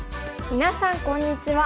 みなさんこんにちは。